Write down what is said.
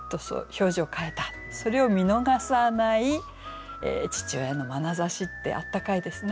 それを見逃さない父親のまなざしって温かいですね。